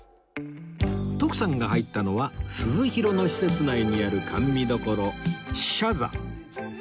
徳さんが入ったのは鈴廣の施設内にある甘味処且座